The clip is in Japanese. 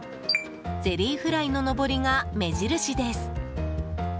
ゼリーフライののぼりが目印です。